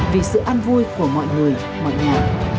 vì sự ăn vui của mọi người mọi nhà